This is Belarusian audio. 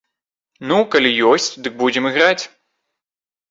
Ну, калі ёсць, дык будзем іграць.